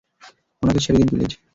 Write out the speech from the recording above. ওনাকে ছেড়ে দিন প্লিজ।